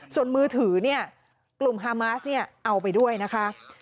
ส่วนมือถือกลุ่มฮามาสเอาไปด้วยนะคะ